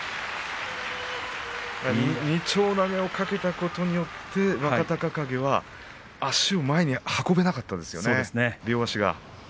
二丁投げをかけたことによって若隆景は足を前に運べなかったんですね。